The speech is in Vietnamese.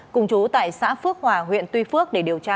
cùng chú tại xã phước hòa huyện tuy phước để điều tra